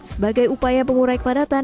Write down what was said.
sebagai upaya pengurai kondisi